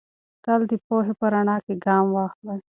تل د پوهې په رڼا کې ګام واخلئ.